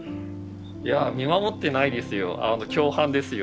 いや見守ってないですよ。